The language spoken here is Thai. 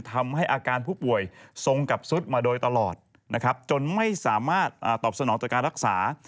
ทำให้อาการผู้ป่วยทรงกับสุดมาโดยตลอดนะครับจนไม่สามารถตอบสนองต่อการรักษา